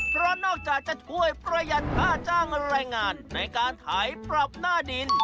เพราะนอกจากจะช่วยประหยัดค่าจ้างแรงงานในการไถปรับหน้าดิน